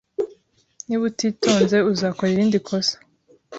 Niba utitonze, uzakora irindi kosa.